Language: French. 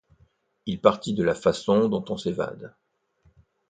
Il partit de la façon dont on s’évade.